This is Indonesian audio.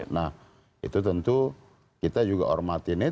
nah itu tentu kita juga hormati